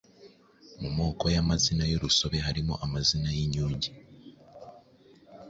Mu moko y’amazina y’urusobe harimo amazina y’inyunge,